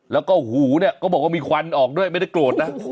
แล้วก็หูเนี่ยก็บอกว่ามีควันออกด้วยไม่ได้โกรธนะ